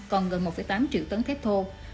còn gần một tám triệu tấn thép thô